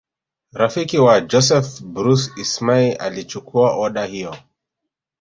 Rafiki wa Joseph Bruce Ismay alichukua oda hiyo